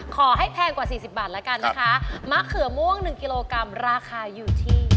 ขอให้แพงกว่า๔๐บาทละกันนะคะมะเขือม่วง๑กิโลกรัมราคาอยู่ที่